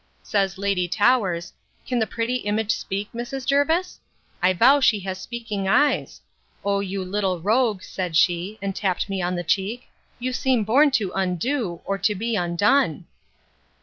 Says Lady Towers, Can the pretty image speak, Mrs. Jervis? I vow she has speaking eyes! O you little rogue, said she, and tapped me on the cheek, you seem born to undo, or to be undone!